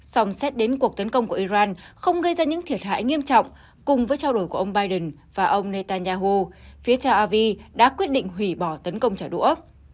song xét đến cuộc tấn công của iran không gây ra những thiệt hại nghiêm trọng cùng với trao đổi của ông biden và ông netanyahu phía theo avi đã quyết định hủy bỏ tấn công trả đũa